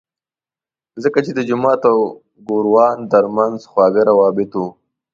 ځکه چې د جومات او ګوروان ترمنځ خواږه روابط وو.